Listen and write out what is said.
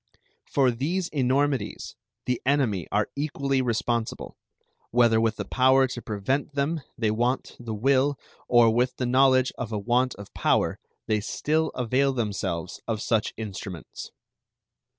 For these enormities the enemy are equally responsible, whether with the power to prevent them they want the will or with the knowledge of a want of power they still avail themselves of such instruments.